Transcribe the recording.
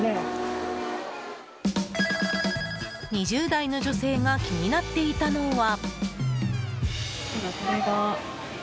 ２０代の女性が気になっていたのは。